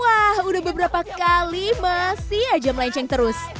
wah udah beberapa kali masih aja melenceng terus